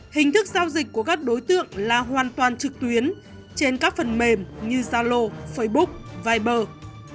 hình thức giao dịch của các đối tượng là hoàn toàn trực tuyến trên các phần mềm như zalo facebook viber